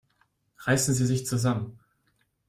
Reißen Sie sich zusammen!